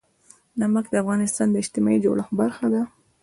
نمک د افغانستان د اجتماعي جوړښت برخه ده.